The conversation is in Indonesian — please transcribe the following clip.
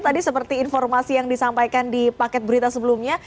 tadi seperti informasi yang disampaikan di paket berita sebelumnya